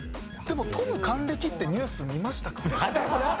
でもトム還暦ってニュース見ましたか？